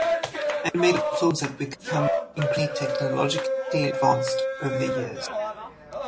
Animated films have also become increasingly technologically advanced over the years.